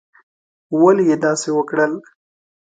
ولي یې داسي وکړل؟